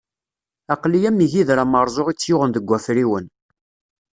Aql-i am yigider amerẓu i tt-yuɣen deg wafriwen.